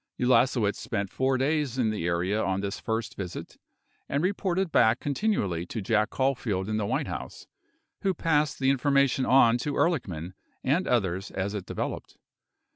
Ulasewicz spent 4 days in the area on this first visit and reported back continually to Jack Caulfield in the White House, who passed the information on to Ehrlichman and others as it developed.